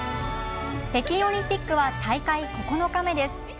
北京オリンピックは大会９日目です。